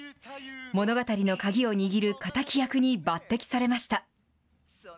物語の鍵を握る敵役に抜てきされました。